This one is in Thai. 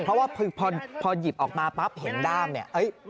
เพราะว่าพอหยิบออกมาปั๊บเห็นด้ามเนี่ย